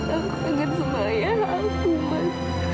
aku kaget sama ayah aku man